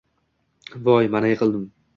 Voy, mana yiqildim